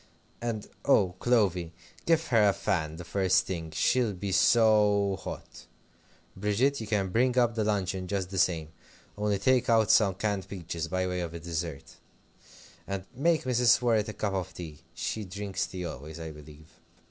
And, oh, Clovy! give her a fan the first thing. She'll be so hot. Bridget, you can bring up the luncheon just the same, only take out some canned peaches, by way of a dessert, and make Mrs. Worrett a cup of tea. She drinks tea always, I believe.